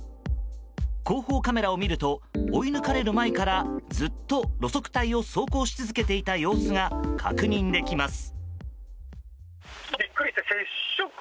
後方カメラを見ると追い抜かれる前からずっと路側帯を走行し続けていた様子が確認できます。